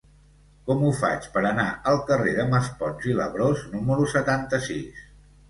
Com ho faig per anar al carrer de Maspons i Labrós número setanta-sis?